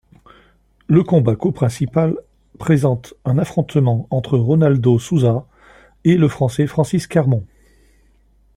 Le combat co-principal présente un affrontement entre Ronaldo Souza et le français Francis Carmont.